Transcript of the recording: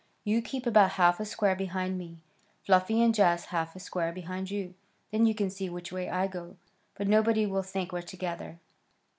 You keep about half a square behind me, Fluffy, and Jaz about half a square behind you. Then you can see which way I go, but nobody will think we're together."